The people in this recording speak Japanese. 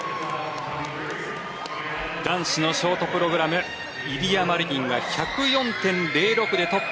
男子のショートプログラムイリア・マリニンが１０４．０６でトップ。